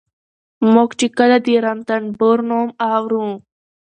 موږ چې کله د رنتنبور نوم اورو